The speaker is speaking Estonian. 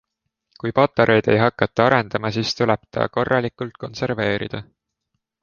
Kui Patareid ei hakata arendama, siis tuleb ta korralikult konserveerida.